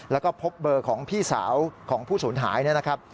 แล้วก็พบเบอร์ของพี่สาวของผู้สูญหายนะครับ